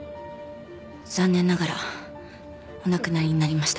残念ながらお亡くなりになりました。